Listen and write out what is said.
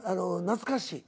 懐かしい？